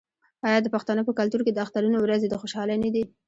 آیا د پښتنو په کلتور کې د اخترونو ورځې د خوشحالۍ نه دي؟